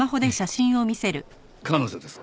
彼女です。